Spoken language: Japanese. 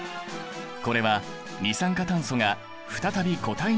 これは二酸化炭素が再び固体になったもの。